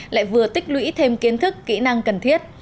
lại vừa tích lũy thêm kiến thức kỹ năng cần thiết